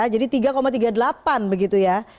jadi tiga tiga puluh delapan begitu ya